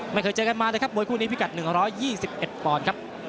ไม่เคยเจอกันมานะครับมวยคู่นี้พิกัด๑๒๑ปอนด์ครับ